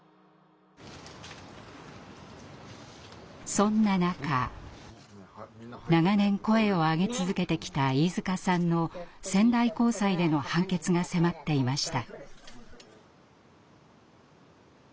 そんな中長年声を上げ続けてきた飯塚さんの仙台高裁での判決が迫っていました。